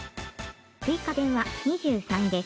「追加点は２３です」。